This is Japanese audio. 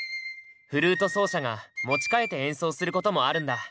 フルート奏者が持ち替えて演奏することもあるんだ。